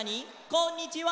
「こんにちは」「」